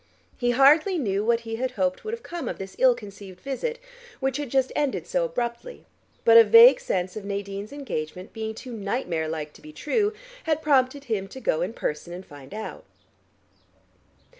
He hardly knew what he had hoped would have come of this ill conceived visit, which had just ended so abruptly, but a vague sense of Nadine's engagement being too nightmare like to be true had prompted him to go in person and find out.